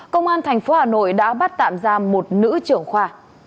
công an tp hà nội đã bắt tạm giam một nữ trưởng khoa